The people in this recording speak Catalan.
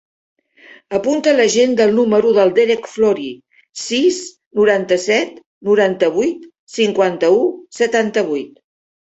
Apunta a l'agenda el número del Derek Florea: sis, noranta-set, noranta-vuit, cinquanta-u, setanta-vuit.